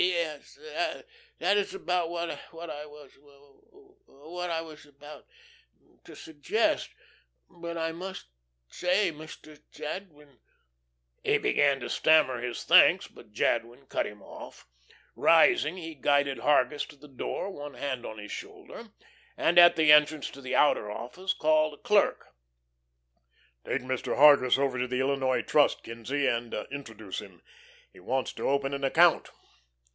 "I'll send a clerk with you." "Yes, yes, that is about what what I what I was about to suggest. But I must say, Mr. Jadwin " He began to stammer his thanks. But Jadwin cut him off. Rising, he guided Hargus to the door, one hand on his shoulder, and at the entrance to the outer office called a clerk. "Take Mr. Hargus over to the Illinois Trust, Kinzie, and introduce him. He wants to open an account."